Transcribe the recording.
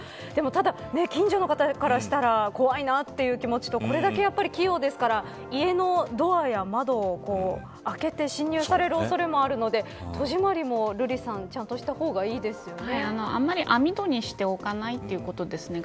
ただ近所の方からしたら怖いなという気持ちとこれだけ器用ですから家のドアや窓を開けて侵入される恐れもあるので戸締りもちゃんとした方があまり網戸にしておかないことですね。